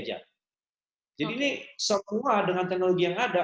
ini semua dengan teknologi yang ada